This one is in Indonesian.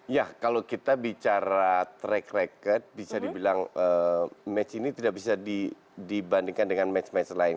ya kalau kita bicara track record bisa dibilang match ini tidak bisa dibandingkan dengan match match lain